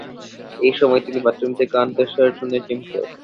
এই সময় তিনি বাথরুম থেকে আর্তস্বর শুনে চমকে ওঠেন।